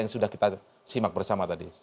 yang sudah kita simak bersama tadi